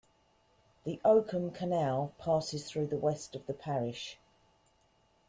The Oakham Canal passes through the west of the parish.